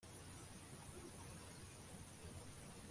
ndabaga yanyoye ibiyobyabwenge bya mariya cyane